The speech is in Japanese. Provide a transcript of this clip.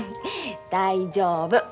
大丈夫。